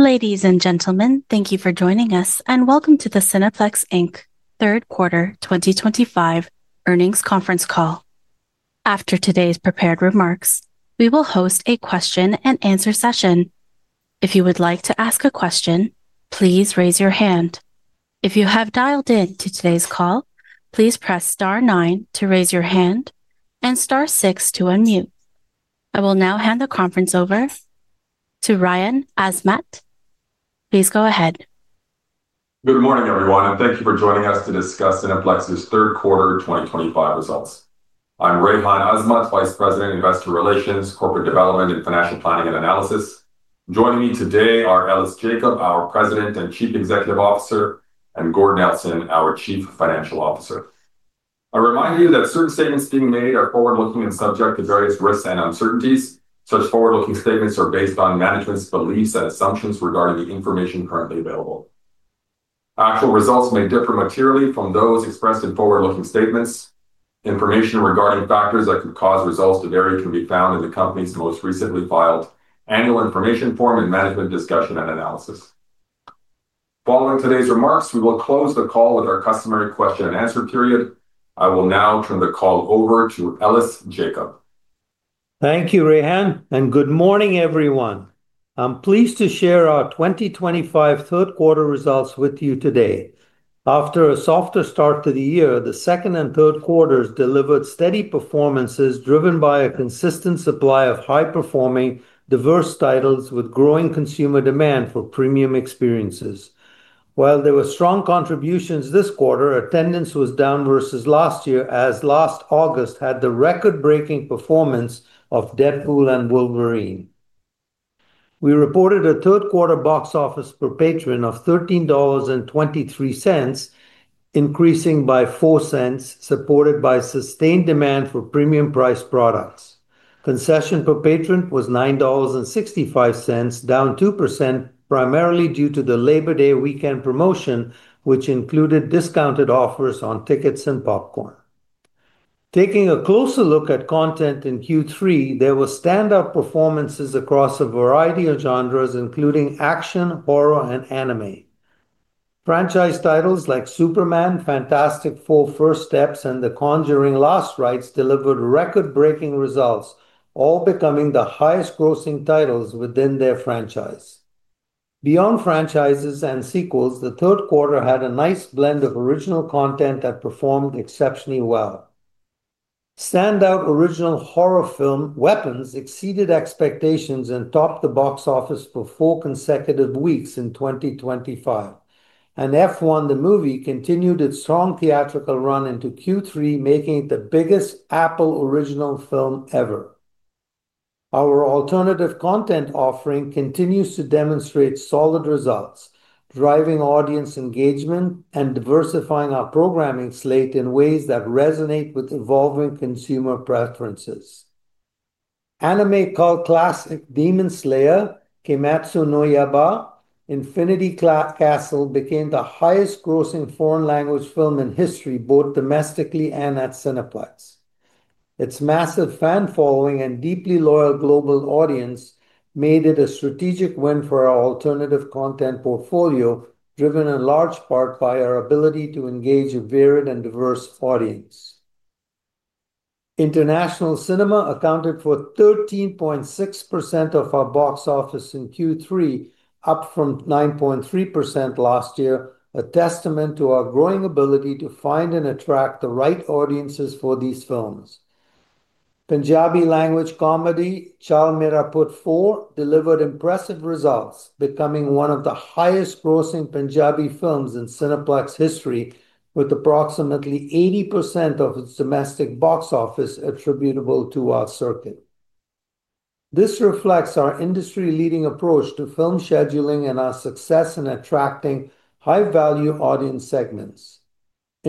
Ladies and gentlemen, thank you for joining us, and welcome to the Cineplex Q3 2025 earnings conference call. After today's prepared remarks, we will host a question-and-answer session. If you would like to ask a question, please raise your hand. If you have dialed in to today's call, please press star nine to raise your hand and star six to unmute. I will now hand the conference over to Rayhan Azmat. Please go ahead. Good morning, everyone, and thank you for joining us to discuss Cineplex's Q3 2025 results. I'm Rayhan Azmat, Vice President, Investor Relations, Corporate Development, and Financial Planning and Analysis. Joining me today are Ellis Jacob, our President and Chief Executive Officer, and Gord Nelson, our Chief Financial Officer. I remind you that certain statements being made are forward-looking and subject to various risks and uncertainties. Such forward-looking statements are based on management's beliefs and assumptions regarding the information currently available. Actual results may differ materially from those expressed in forward-looking statements. Information regarding factors that could cause results to vary can be found in the company's most recently filed annual information form and management discussion and analysis. Following today's remarks, we will close the call with our customary question-and-answer period. I will now turn the call over to Ellis Jacob. Thank you, Rayhan, and good morning, everyone. I'm pleased to share our 2025 Q3 results with you today. After a softer start to the year, the second and third quarters delivered steady performances driven by a consistent supply of high-performing, diverse titles with growing consumer demand for premium experiences. While there were strong contributions this quarter, attendance was down versus last year, as last August had the record-breaking performance of Deadpool & Wolverine. We reported a Q3 box office per patron of 13.23 dollars, increasing by 0.04, supported by sustained demand for premium-priced products. Concession per patron was 9.65 dollars, down 2%, primarily due to the Labor Day weekend promotion, which included discounted offers on tickets and popcorn. Taking a closer look at content in Q3, there were standout performances across a variety of genres, including action, horror, and anime. Franchise titles like Superman, Fantastic Four: First Steps, and The Conjuring: Last Rites delivered record-breaking results, all becoming the highest-grossing titles within their franchise. Beyond franchises and sequels, the Q3 had a nice blend of original content that performed exceptionally well. Standout original horror film Weapons exceeded expectations and topped the box office for four consecutive weeks in 2025. F1: The Movie continued its strong theatrical run into Q3, making it the biggest Apple Original Film ever. Our alternative content offering continues to demonstrate solid results, driving audience engagement and diversifying our programming slate in ways that resonate with evolving consumer preferences. Anime cult classic Demon Slayer: Kimetsu no Yaiba – The Movie: Infinity Castle became the highest-grossing foreign-language film in history, both domestically and at Cineplex. Its massive fan following and deeply loyal global audience made it a strategic win for our alternative content portfolio, driven in large part by our ability to engage a varied and diverse audience. International cinema accounted for 13.6% of our box office in Q3, up from 9.3% last year, a testament to our growing ability to find and attract the right audiences for these films. Punjabi language comedy Chal Mera Putt 4 delivered impressive results, becoming one of the highest-grossing Punjabi films in Cineplex history, with approximately 80% of its domestic box office attributable to our circuit. This reflects our industry-leading approach to film scheduling and our success in attracting high-value audience segments.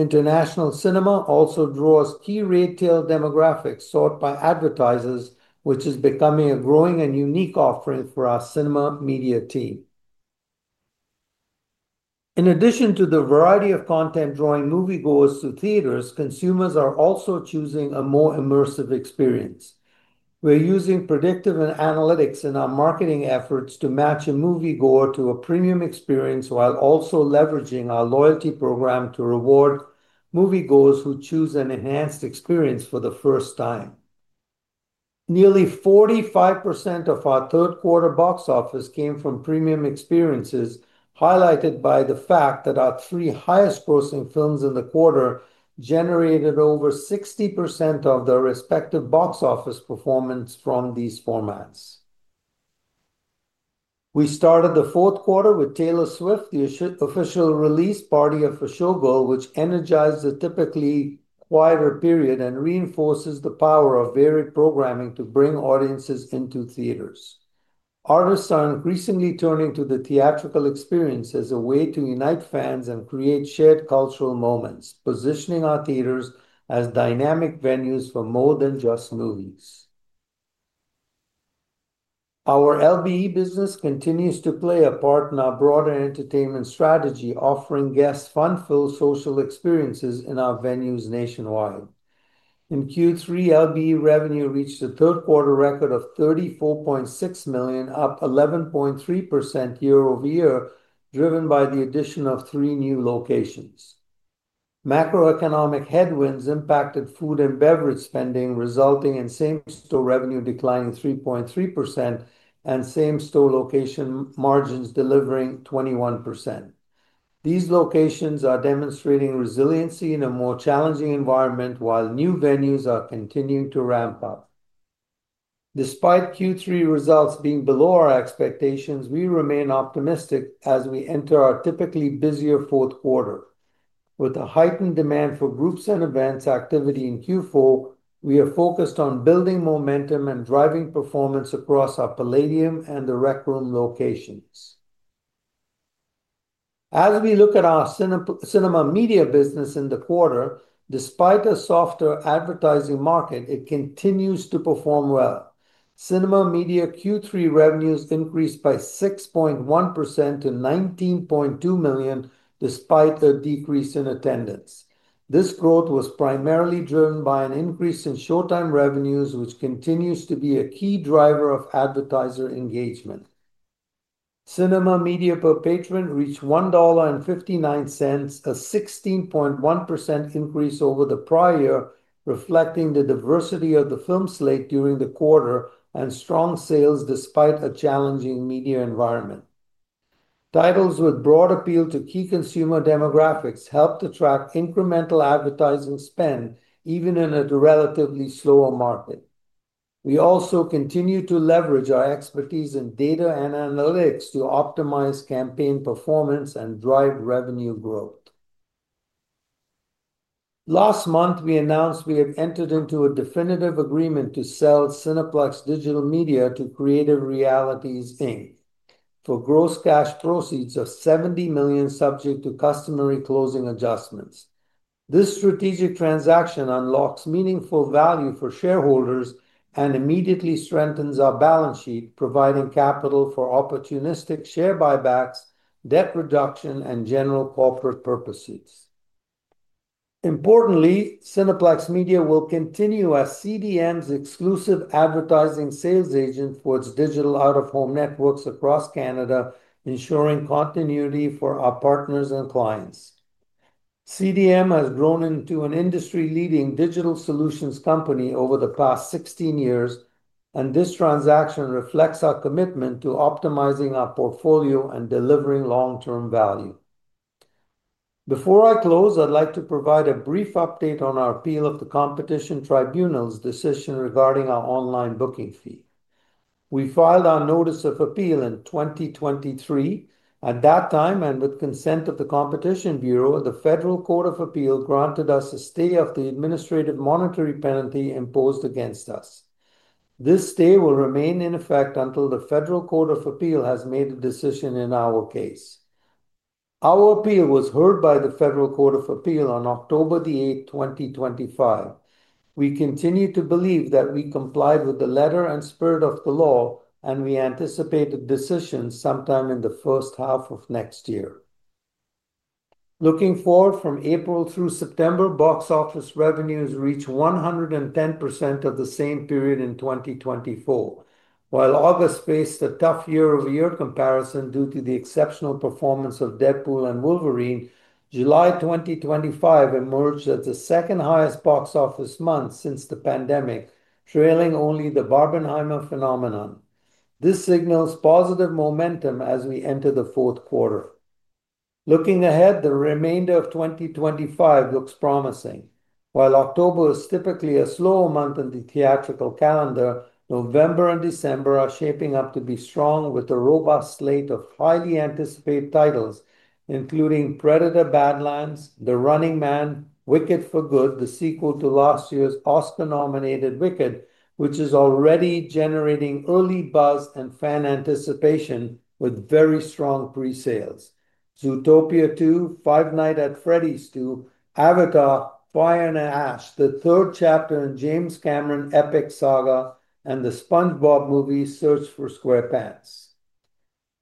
International cinema also draws key retail demographics sought by advertisers, which is becoming a growing and unique offering for our cinema media team. In addition to the variety of content drawing moviegoers to theaters, consumers are also choosing a more immersive experience. We're using predictive analytics in our marketing efforts to match a moviegoer to a premium experience while also leveraging our loyalty program to reward moviegoers who choose an enhanced experience for the first time. Nearly 45% of our Q3 box office came from premium experiences, highlighted by the fact that our three highest-grossing films in the quarter generated over 60% of their respective box office performance from these formats. We started the Q4 with Taylor Swift: The Eras Tour, which energized a typically quieter period and reinforces the power of varied programming to bring audiences into theaters. Artists are increasingly turning to the theatrical experience as a way to unite fans and create shared cultural moments, positioning our theaters as dynamic venues for more than just movies. Our LBE business continues to play a part in our broader entertainment strategy, offering guests fun-filled social experiences in our venues nationwide. In Q3, LBE revenue reached a Q3 record of 34.6 million, up 11.3% year-over-year, driven by the addition of three new locations. Macroeconomic headwinds impacted food and beverage spending, resulting in same-store revenue declining 3.3% and same-store location margins delivering 21%. These locations are demonstrating resiliency in a more challenging environment, while new venues are continuing to ramp up. Despite Q3 results being below our expectations, we remain optimistic as we enter our typically busier Q4. With the heightened demand for groups and events activity in Q4, we are focused on building momentum and driving performance across our Playdium and The Rec Room locations. As we look at our cinema media business in the quarter, despite a softer advertising market, it continues to perform well. Cinema media Q3 revenues increased by 6.1% to 19.2 million, despite a decrease in attendance. This growth was primarily driven by an increase in showtime revenues, which continues to be a key driver of advertiser engagement. Cinema media per patron reached 1.59 dollar, a 16.1% increase over the prior year, reflecting the diversity of the film slate during the quarter and strong sales despite a challenging media environment. Titles with broad appeal to key consumer demographics helped attract incremental advertising spend, even in a relatively slower market. We also continue to leverage our expertise in data and analytics to optimize campaign performance and drive revenue growth. Last month, we announced we had entered into a definitive agreement to sell Cineplex Digital Media to Creative Realities Inc. for gross cash proceeds of 70 million, subject to customary closing adjustments. This strategic transaction unlocks meaningful value for shareholders and immediately strengthens our balance sheet, providing capital for opportunistic share buybacks, debt reduction, and general corporate purposes. Importantly, Cineplex Media will continue as CDM's exclusive advertising sales agent for its digital out-of-home networks across Canada, ensuring continuity for our partners and clients. CDM has grown into an industry-leading digital solutions company over the past 16 years, and this transaction reflects our commitment to optimizing our portfolio and delivering long-term value. Before I close, I'd like to provide a brief update on our appeal of the Competition Tribunal's decision regarding our online booking fee. We filed our Notice of Appeal in 2023. At that time, and with consent of the Competition Bureau, the Federal Court of Appeal granted us a stay of the administrative monetary penalty imposed against us. This stay will remain in effect until the Federal Court of Appeal has made a decision in our case. Our appeal was heard by the Federal Court of Appeal on October 8, 2025. We continue to believe that we complied with the letter and spirit of the law, and we anticipate a decision sometime in the first half of next year. Looking forward from April through September, box office revenues reached 110% of the same period in 2024. While August faced a tough year-over-year comparison due to the exceptional performance of Deadpool & Wolverine, July 2025 emerged as the second-highest box office month since the pandemic, trailing only the Barbenheimer phenomenon. This signals positive momentum as we enter Q4. Looking ahead, the remainder of 2025 looks promising. While October is typically a slower month in the theatrical calendar, November and December are shaping up to be strong with a robust slate of highly anticipated titles, including Predator: Badlands, The Running Man, Wicked: For Good, the sequel to last year's Oscar-nominated Wicked, which is already generating early buzz and fan anticipation with very strong pre-sales, Zootopia 2, Five Nights at Freddy's 2, Avatar: Fire and Ash, the third chapter in James Cameron's epic saga, and the SpongeBob movie Search for SquarePants.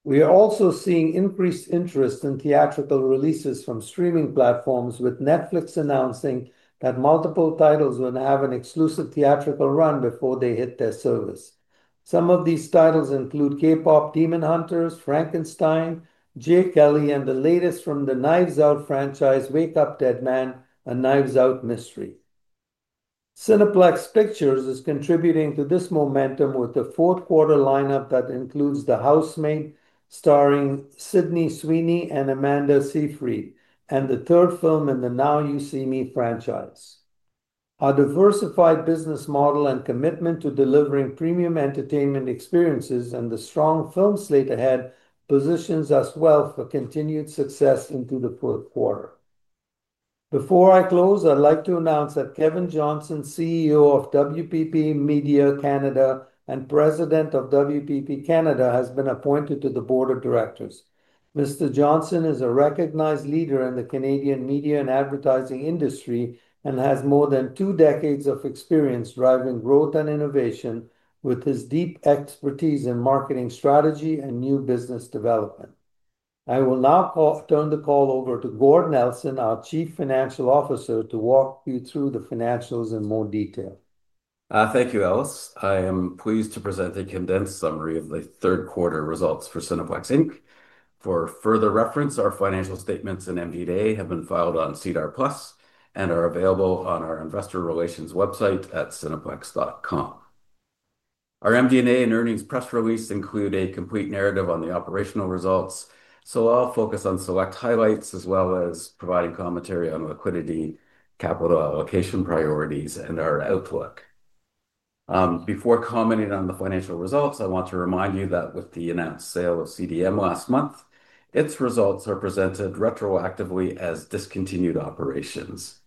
We are also seeing increased interest in theatrical releases from streaming platforms, with Netflix announcing that multiple titles will have an exclusive theatrical run before they hit their service. Some of these titles include K-Pop Demon Hunters, Frankenstein, and the latest from the Knives Out franchise, Wake Up Dead Man: A Knives Out Mystery. Cineplex Pictures is contributing to this momentum with the Q4 lineup that includes The Housemaid, starring Sydney Sweeney and Amanda Seyfried, and the third film in the Now You See Me franchise. Our diversified business model and commitment to delivering premium entertainment experiences and the strong film slate ahead positions us well for continued success into the Q4. Before I close, I'd like to announce that Kevin Johnson, CEO of WPP Media Canada and President of WPP Canada, has been appointed to the Board of Directors. Mr. Johnson is a recognized leader in the Canadian media and advertising industry and has more than two decades of experience driving growth and innovation, with his deep expertise in marketing strategy and new business development. I will now turn the call over to Gord Nelson, our Chief Financial Officer, to walk you through the financials in more detail. Thank you, Ellis. I am pleased to present the condensed summary of the Q3 results for Cineplex. For further reference, our financial statements and MD&A have been filed on SEDAR+ and are available on our investor relations website at cineplex.com. Our MD&A and earnings press release include a complete narrative on the operational results, so I'll focus on select highlights as well as providing commentary on liquidity, capital allocation priorities, and our outlook. Before commenting on the financial results, I want to remind you that with the announced sale of CDM last month, its results are presented retroactively as discontinued operations.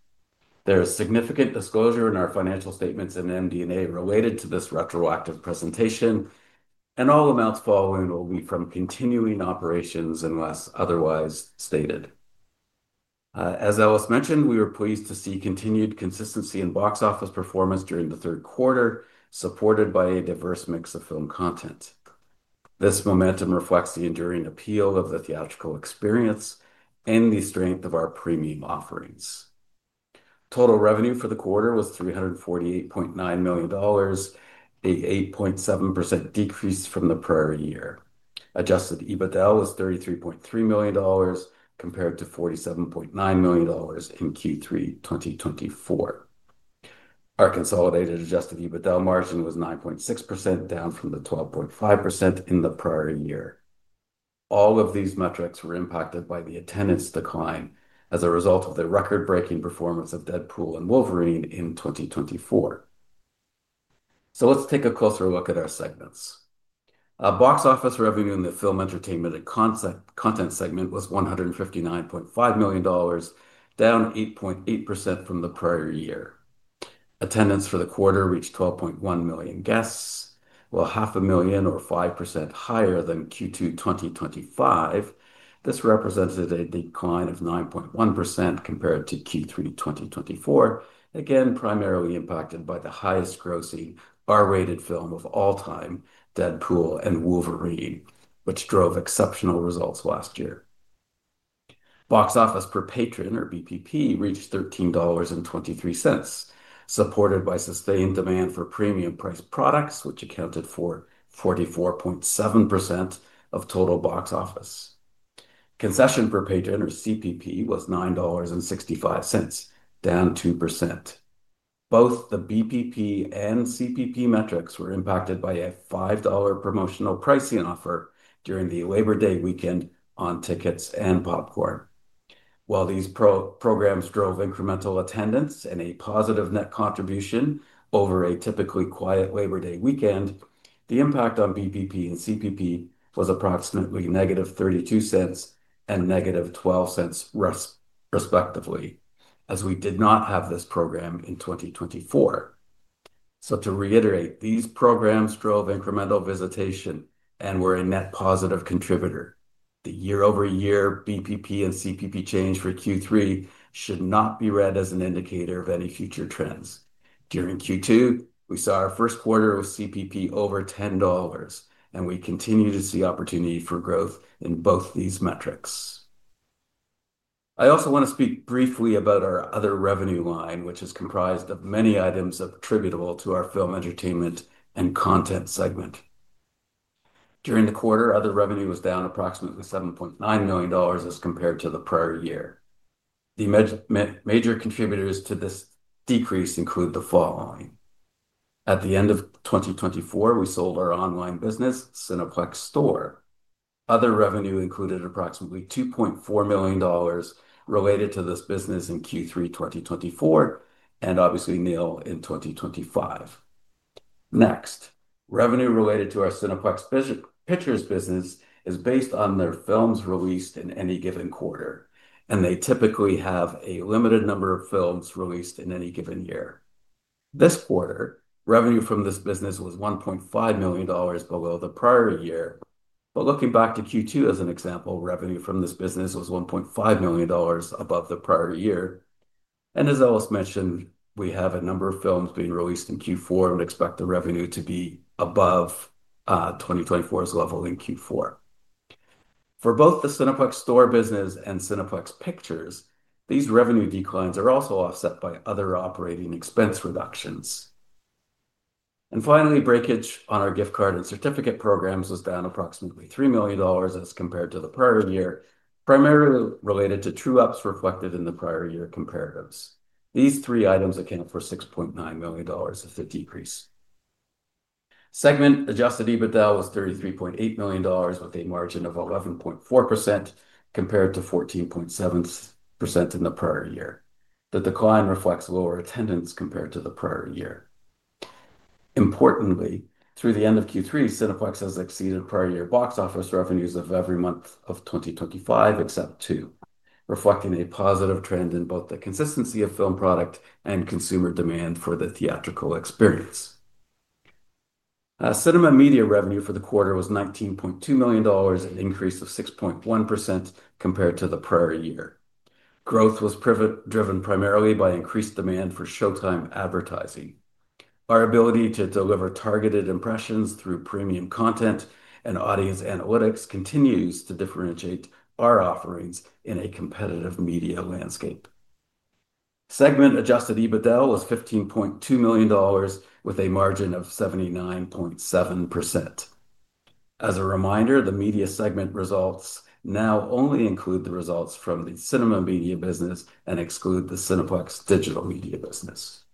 There is significant disclosure in our financial statements and MD&A related to this retroactive presentation, and all amounts following will be from continuing operations unless otherwise stated. As Ellis mentioned, we were pleased to see continued consistency in box office performance during the Q3, supported by a diverse mix of film content. This momentum reflects the enduring appeal of the theatrical experience and the strength of our premium offerings. Total revenue for the quarter was 348.9 million dollars, an 8.7% decrease from the prior year. Adjusted EBITDA was 33.3 million dollars, compared to 47.9 million dollars in Q3 2024. Our consolidated Adjusted EBITDA margin was 9.6%, down from the 12.5% in the prior year. All of these metrics were impacted by the attendance decline as a result of the record-breaking performance of Deadpool & Wolverine in 2024. Let's take a closer look at our segments. Box office revenue in the film, entertainment, and content segment was 159.5 million dollars, down 8.8% from the prior year. Attendance for the quarter reached 12.1 million guests, while 500,000, or 5%, higher than Q2 2025. This represented a decline of 9.1% compared to Q3 2024, again primarily impacted by the highest-grossing R-rated film of all time, Deadpool & Wolverine, which drove exceptional results last year. Box office per patron, or BPP, reached 13.23 dollars. Supported by sustained demand for premium-priced products, which accounted for 44.7% of total box office. Concession per patron, or CPP, was 9.65 dollars, down 2%. Both the BPP and CPP metrics were impacted by a 5 dollar promotional pricing offer during the Labor Day weekend on tickets and popcorn. While these programs drove incremental attendance and a positive net contribution over a typically quiet Labor Day weekend, the impact on BPP and CPP was approximately -0.32 and -0.12, respectively, as we did not have this program in 2024. To reiterate, these programs drove incremental visitation and were a net positive contributor. The year-over-year BPP and CPP change for Q3 should not be read as an indicator of any future trends. During Q2, we saw our Q4 with CPP over $10, and we continue to see opportunity for growth in both these metrics. I also want to speak briefly about our other revenue line, which is comprised of many items attributable to our film, entertainment, and content segment. During the quarter, other revenue was down approximately 7.9 million dollars as compared to the prior year. The major contributors to this decrease include the following. At the end of 2024, we sold our online business, Cineplex Store. Other revenue included approximately 2.4 million dollars related to this business in Q3 2024, and obviously nil in 2025. Next, revenue related to our Cineplex Pictures business is based on their films released in any given quarter, and they typically have a limited number of films released in any given year. This quarter, revenue from this business was 1.5 million dollars below the prior year, but looking back to Q2 as an example, revenue from this business was 1.5 million dollars above the prior year. As Ellis mentioned, we have a number of films being released in Q4 and expect the revenue to be above 2024's level in Q4. For both the Cineplex Store business and Cineplex Pictures, these revenue declines are also offset by other operating expense reductions. Finally, breakage on our gift card and certificate programs was down approximately 3 million dollars as compared to the prior year, primarily related to true-ups reflected in the prior year comparatives. These three items account for 6.9 million dollars of the decrease. Segment Adjusted EBITDA was 33.8 million dollars, with a margin of 11.4% compared to 14.7% in the prior year. The decline reflects lower attendance compared to the prior year. Importantly, through the end of Q3, Cineplex has exceeded prior year box office revenues of every month of 2023, except two, reflecting a positive trend in both the consistency of film product and consumer demand for the theatrical experience. Cinema media revenue for the quarter was 19.2 million dollars, an increase of 6.1% compared to the prior year. Growth was driven primarily by increased demand for showtime advertising. Our ability to deliver targeted impressions through premium content and audience analytics continues to differentiate our offerings in a competitive media landscape. Segment Adjusted EBITDA was 15.2 million dollars, with a margin of 79.7%. As a reminder, the media segment results now only include the results from the cinema media business and exclude the Cineplex Digital Media business.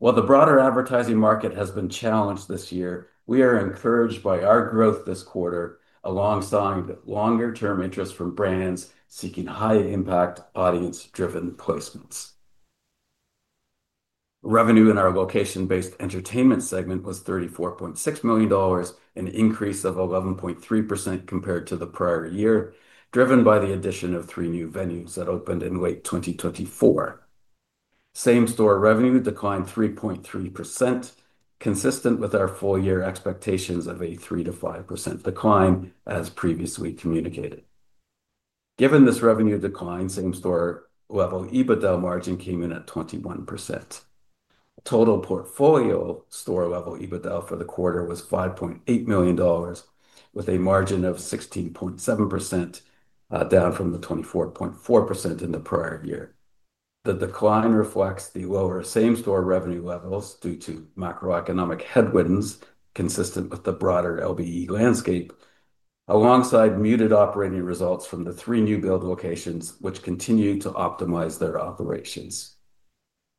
While the broader advertising market has been challenged this year, we are encouraged by our growth this quarter, alongside longer-term interest from brands seeking high-impact audience-driven placements. Revenue in our location-based entertainment segment was 34.6 million dollars, an increase of 11.3% compared to the prior year, driven by the addition of three new venues that opened in late 2024. Same store revenue declined 3.3%, consistent with our full-year expectations of a 3%-5% decline as previously communicated. Given this revenue decline, same store level EBITDA margin came in at 21%. Total portfolio store level EBITDA for the quarter was 5.8 million dollars, with a margin of 16.7%, down from the 24.4% in the prior year. The decline reflects the lower same store revenue levels due to macroeconomic headwinds consistent with the broader LBE landscape, alongside muted operating results from the three new build locations, which continue to optimize their operations.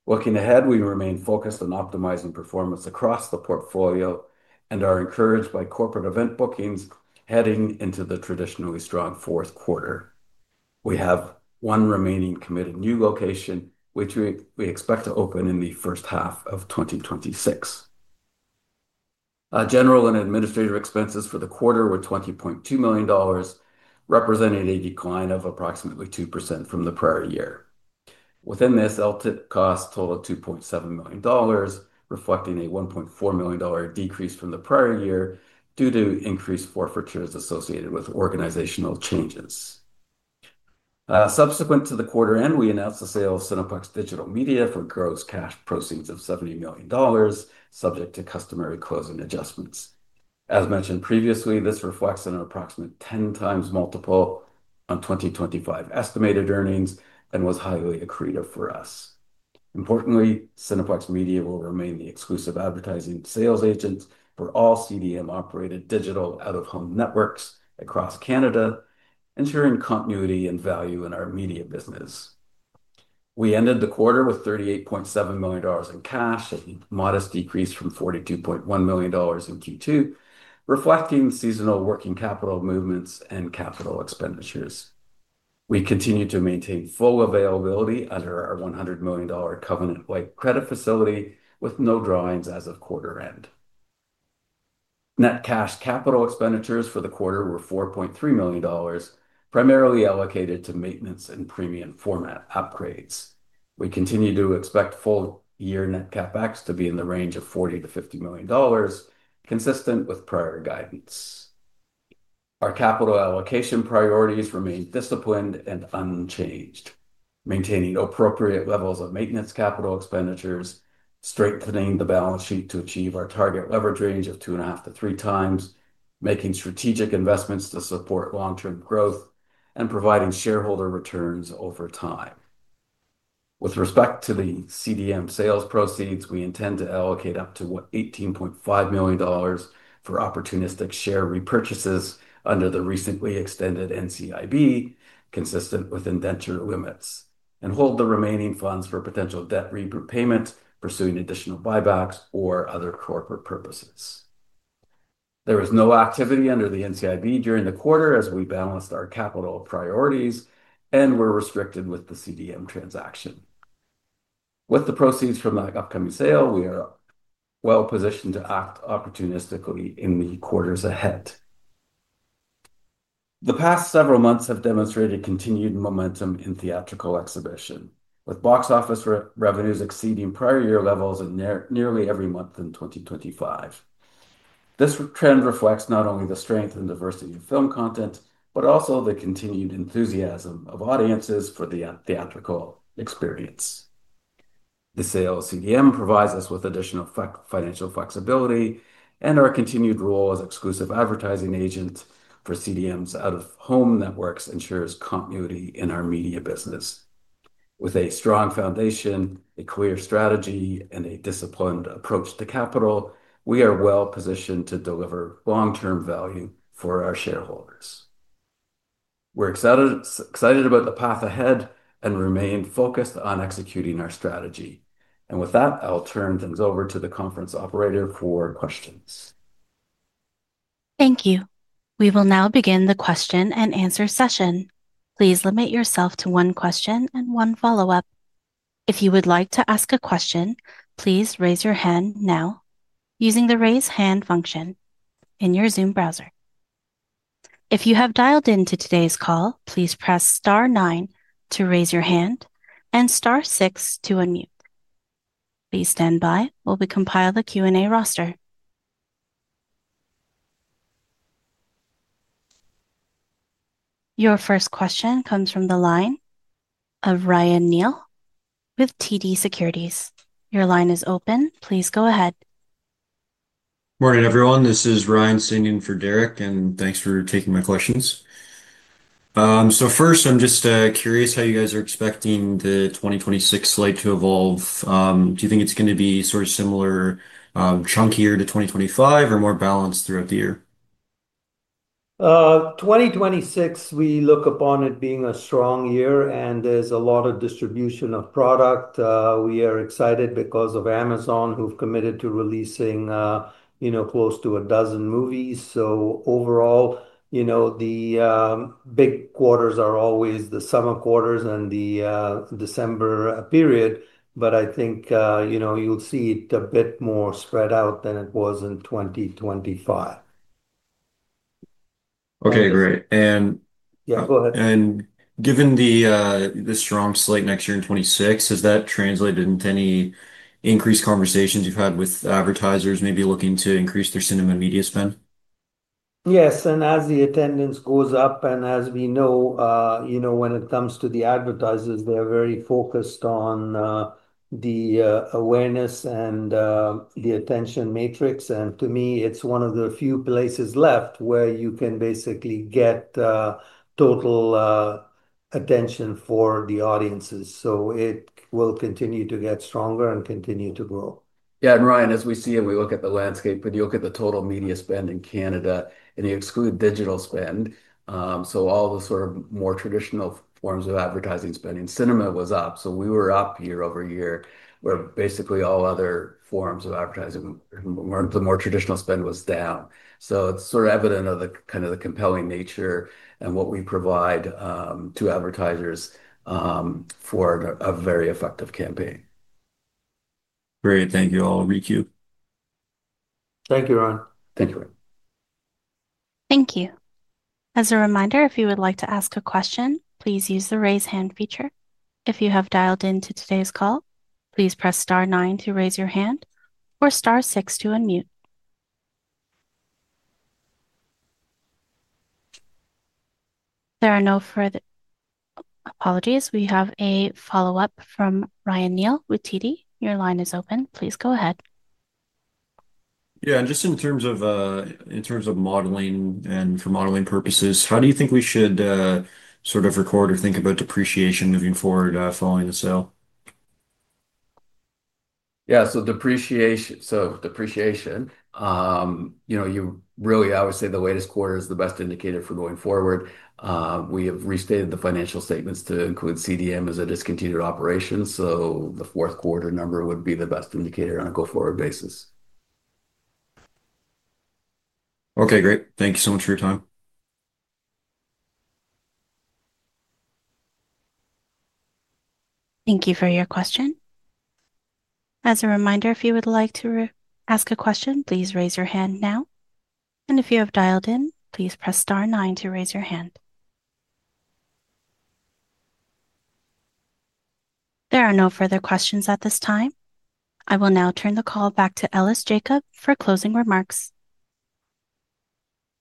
Looking ahead, we remain focused on optimizing performance across the portfolio and are encouraged by corporate event bookings heading into the traditionally strong Q4. We have one remaining committed new location, which we expect to open in the first half of 2026. General and administrative expenses for the quarter were 20.2 million dollars, representing a decline of approximately 2% from the prior year. Within this, LTIP costs totaled 2.7 million dollars, reflecting a 1.4 million dollar decrease from the prior year due to increased forfeitures associated with organizational changes. Subsequent to the quarter end, we announced the sale of Cineplex Digital Media for gross cash proceeds of 70 million dollars, subject to customary closing adjustments. As mentioned previously, this reflects an approximate 10 times multiple on 2025 estimated earnings and was highly accretive for us. Importantly, Cineplex Media will remain the exclusive advertising sales agent for all CDM-operated digital out-of-home networks across Canada, ensuring continuity and value in our media business. We ended the quarter with 38.7 million dollars in cash, a modest decrease from 42.1 million dollars in Q2, reflecting seasonal working capital movements and capital expenditures. We continue to maintain full availability under our 100 million dollar Covenant White Credit facility, with no drawings as of quarter end. Net cash capital expenditures for the quarter were 4.3 million dollars, primarily allocated to maintenance and premium format upgrades. We continue to expect full-year net capex to be in the range of 40 million-50 million dollars, consistent with prior guidance. Our capital allocation priorities remain disciplined and unchanged, maintaining appropriate levels of maintenance capital expenditures, strengthening the balance sheet to achieve our target leverage range of 2.5-3 times, making strategic investments to support long-term growth, and providing shareholder returns over time. With respect to the CDM sales proceeds, we intend to allocate up to 18.5 million dollars for opportunistic share repurchases under the recently extended NCIB, consistent with indentured limits, and hold the remaining funds for potential debt repayment, pursuing additional buybacks or other corporate purposes. There was no activity under the NCIB during the quarter as we balanced our capital priorities and were restricted with the CDM transaction. With the proceeds from the upcoming sale, we are well positioned to act opportunistically in the quarters ahead. The past several months have demonstrated continued momentum in theatrical exhibition, with box office revenues exceeding prior year levels in nearly every month in 2025. This trend reflects not only the strength and diversity of film content but also the continued enthusiasm of audiences for the theatrical experience. The sale of CDM provides us with additional financial flexibility, and our continued role as exclusive advertising agent for CDM's out-of-home networks ensures continuity in our media business. With a strong foundation, a clear strategy, and a disciplined approach to capital, we are well positioned to deliver long-term value for our shareholders. We are excited about the path ahead and remain focused on executing our strategy. I will turn things over to the conference operator for questions. Thank you. We will now begin the question-and-answer session. Please limit yourself to one question and one follow-up. If you would like to ask a question, please raise your hand now using the raise hand function in your Zoom browser. If you have dialed into today's call, please press star nine to raise your hand and star six to unmute. Please stand by while we compile the Q&A roster. Your first question comes from the line of Ryan Neal with TD Securities. Your line is open. Please go ahead. Morning, everyone. This is Ryan sitting in for Derek, and thanks for taking my questions. First, I'm just curious how you guys are expecting the 2026 slate to evolve. Do you think it's going to be sort of similar, chunkier to 2025, or more balanced throughout the year? 2026, we look upon it being a strong year, and there's a lot of distribution of product. We are excited because of Amazon, who've committed to releasing. Close to a dozen movies. Overall, the big quarters are always the summer quarters and the December period. I think you'll see it a bit more spread out than it was in 2025. Okay, great. Go ahead. Given the strong slate next year in 2026, has that translated into any increased conversations you've had with advertisers maybe looking to increase their cinema media spend? Yes. As the attendance goes up, and as we know, when it comes to the advertisers, they're very focused on the awareness and the attention matrix. To me, it's one of the few places left where you can basically get total attention for the audiences. It will continue to get stronger and continue to grow. Yeah. Ryan, as we see it, we look at the landscape, but you look at the total media spend in Canada and you exclude digital spend. All the sort of more traditional forms of advertising spending, cinema was up. We were up year-over-year, where basically all other forms of advertising, the more traditional spend was down. It is sort of evident of the kind of the compelling nature and what we provide to advertisers for a very effective campaign. Great. Thank you all. Riku. Thank you, Ryan. Thank you. Thank you. As a reminder, if you would like to ask a question, please use the raise hand feature. If you have dialed into today's call, please press star nine to raise your hand or star six to unmute. There are no further. Apologies. We have a follow-up from Ryan Neal with TD. Your line is open. Please go ahead. Yeah. And just in terms of modeling and for modeling purposes, how do you think we should sort of record or think about depreciation moving forward following the sale? Yeah. So depreciation. You really, I would say the latest quarter is the best indicator for going forward. We have restated the financial statements to include CDM as a discontinued operation. So the fourth quarter number would be the best indicator on a go-forward basis. Okay, great. Thank you so much for your time. Thank you for your question. As a reminder, if you would like to ask a question, please raise your hand now. If you have dialed in, please press star nine to raise your hand. There are no further questions at this time. I will now turn the call back to Ellis Jacob for closing remarks.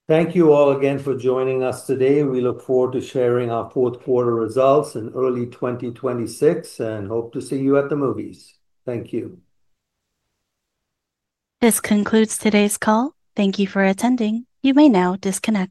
Thank you all again for joining us today. We look forward to sharing our fourth quarter results in early 2026 and hope to see you at the movies. Thank you. This concludes today's call. Thank you for attending. You may now disconnect.